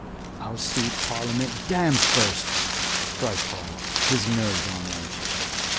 "I'll see Parliament damned first!" cried Paul, his nerves on edge.